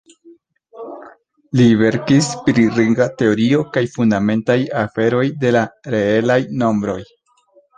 Li verkis pri ringa teorio kaj fundamentaj aferoj de la reelaj nombroj.